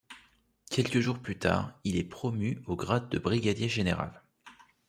Quelques jours plus tard, il est promu au grade de brigadier général.